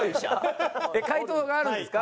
回答があるんですか？